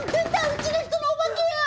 うちの人のお化けや！